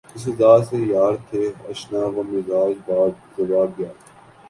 جس ادا سے یار تھے آشنا وہ مزاج باد صبا گیا